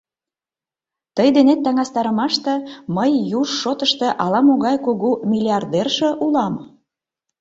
«Тый денет таҥастарымаште мый юж шотышто ала-могай кугу миллиардерше улам.